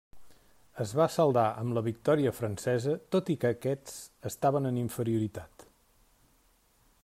Es va saldar amb la victòria francesa tot i que aquests estaven en inferioritat.